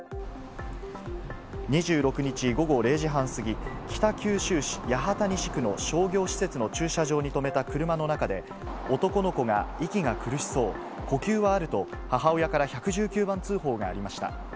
２６日午後０時半過ぎ、北九州市八幡西区の商業施設の駐車場に止めた車の中で、男の子が息が苦しそう、呼吸はあると、母親から１１９番通報がありました。